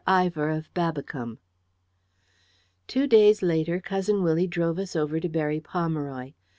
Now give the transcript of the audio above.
IVOR OF BABBICOMBE Two days later, Cousin Willie drove us over to Berry Pomeroy.